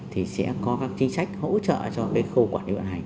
thì sẽ có các chính sách hỗ trợ cho khu quản lý vận hành